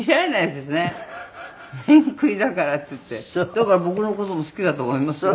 「だから僕の事も好きだと思いますよ」